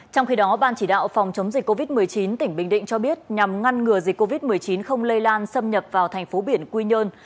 trong khi đó ban chỉ đạo phòng chống dịch covid một mươi chín tỉnh bình định cho biết nhằm ngăn ngừa dịch covid một mươi chín không lây lan xâm nhập vào thành phố biển quy nhơn